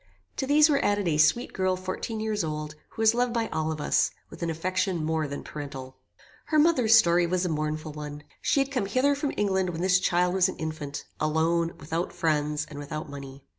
To these were added a sweet girl fourteen years old, who was loved by all of us, with an affection more than parental. Her mother's story was a mournful one. She had come hither from England when this child was an infant, alone, without friends, and without money.